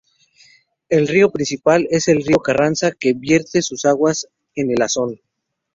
El río principal es el río Carranza, que vierte sus aguas en el Asón.